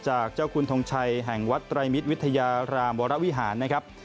จากเจ้าคุณทงชัยแห่งวัดไตรมิตรวิทยารามวรวิหารนะครับ